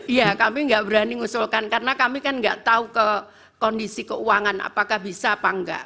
iya kami nggak berani ngusulkan karena kami kan nggak tahu ke kondisi keuangan apakah bisa apa enggak